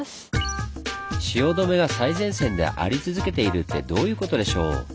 汐留が最前線であり続けているってどういうことでしょう？